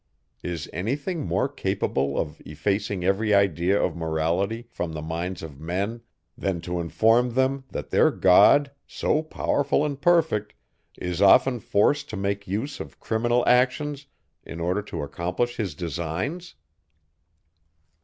Is any thing more capable of effacing every idea of morality from the minds of men, than to inform them, that their God, so powerful and perfect, is often forced to make use of criminal actions in order to accomplish his designs?